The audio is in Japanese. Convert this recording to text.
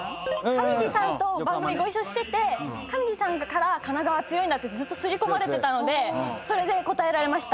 上地さんと番組ご一緒してて上地さんから神奈川強いんだとずっと刷り込まれてたのでそれで答えられました。